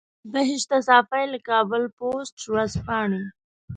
بهشته صافۍ له کابل پوسټ ورځپاڼې.